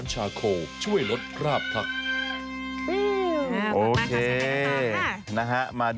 นะฮะมาดูเท่าไหร่